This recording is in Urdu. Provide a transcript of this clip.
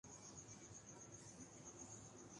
مسلم لیگ کا دستور باقاعدہ طور پر امرتسر میں منظور ہوا